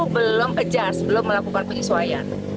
belum kejar sebelum melakukan penyesuaian